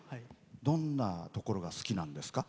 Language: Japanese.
どんなところが好きなんですか？